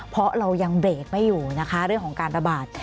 เพราะเรายังเบรกไม่อยู่นะคะเรื่องของการระบาด